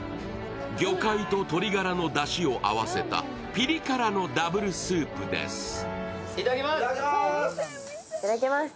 魚介と鶏がらのだしを合わせたピリ辛のダブルスープです。